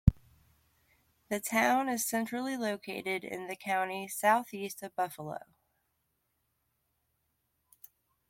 The town is centrally located in the county, southeast of Buffalo.